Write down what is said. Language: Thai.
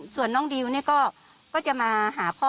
ส่วนน้องดิวก็จะมาหาพ่อ